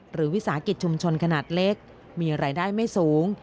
วิสาหกิจชุมชนขนาดเล็กมีรายได้ไม่สูง